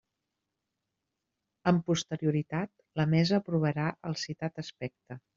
Amb posterioritat, la mesa aprovarà el citat aspecte.